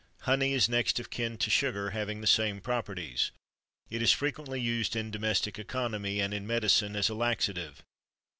Honey is next of kin to sugar, having the same properties. It is frequently used in domestic economy, and in medicine as a laxative.